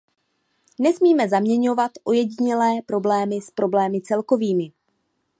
Nesmíme zaměňovat ojedinělé problémy s problémy celkovými.